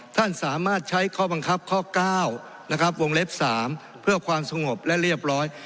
ท่านสามารถใช้ข้อบังคับข้อ๙นะครับวงเล็บ๓เพื่อความสงบและเรียบร้อย